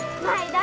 はい！